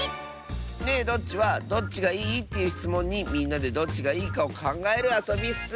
「ねえどっち？」は「どっちがいい？」っていうしつもんにみんなでどっちがいいかをかんがえるあそびッス。